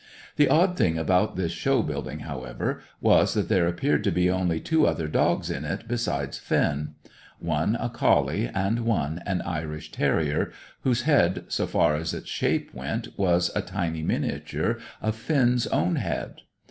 The odd thing about this show building, however, was that there appeared to be only two other dogs in it, besides Finn; one a collie, and one an Irish terrier, whose head, so far as its shape went, was a tiny miniature of Finn's own head.